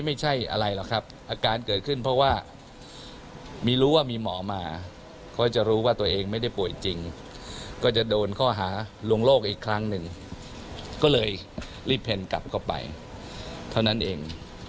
มีรู้ว่ามีหมอมาเขาจะรู้ว่าตัวเองไม่ได้ป่วยจริงก็จะโดนเข้าหาลวงโลกอีกครั้งนึงก็เลยรีบเพลงกลับเข้าไปเท่านั้นเอง